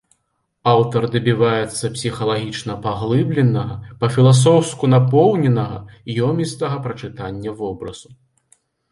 Аўтар дабіваецца псіхалагічна паглыбленага, па-філасофску напоўненага, ёмістага прачытання вобразу.